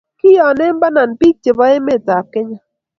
Kiyonei panan piik chebo emet ab Kenya